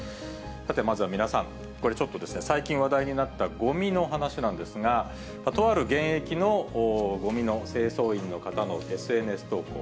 さてまずは皆さん、これちょっと、最近話題になったごみの話なんですが、とある現役のごみ清掃員の方のＳＮＳ投稿。